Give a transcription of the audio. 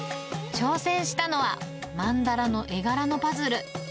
挑戦したのは、曼荼羅の絵柄のパズル。